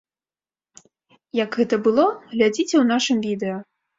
Як гэта было, глядзіце ў нашым відэа.